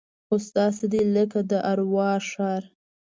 اوس داسې دی لکه د ارواو ښار.